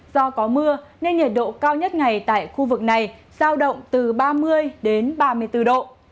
do có mưa nên nhiệt độ cao nhất ngày tại khu vực này giao động từ ba mươi đến ba mươi bốn độ